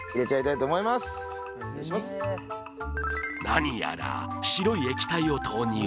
何やら白い液体を投入